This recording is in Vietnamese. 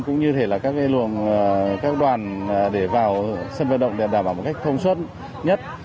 cũng như các đoàn để vào sân vận động để đảm bảo một cách thông suất nhất